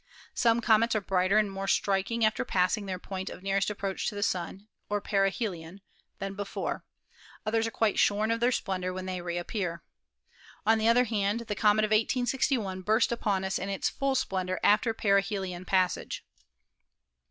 Some comets are brighter and more striking after passing their point of nearest approach to the Sun (or perihelion) than before; others are quite shorn of their splendor when they reap pear. On the other hand, the comet of 1861 burst upon us in its full splendor after perihelion passage.